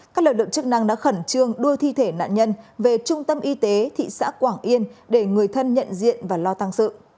các lực lượng chức năng đã khẩn trương đua thi thể nạn nhân về trung tâm y tế thị xã quảng yên để người thân nhận diện và lo tăng sự